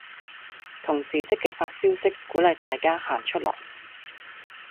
同事積極發消息鼓勵大家行出來